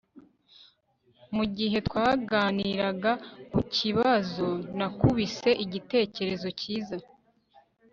mugihe twaganiraga kukibazo, nakubise igitekerezo cyiza